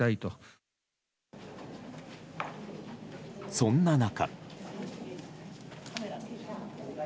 そんな中。